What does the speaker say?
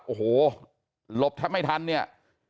โอ้โหหลบแทบไม่ทันเนี่ย